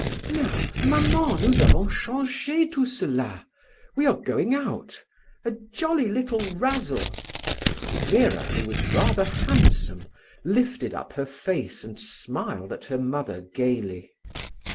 "Now, maman, nous avons changé tout cela! We are going out—a jolly little razzle!" Vera, who was rather handsome, lifted up her face and smiled at her mother gaily.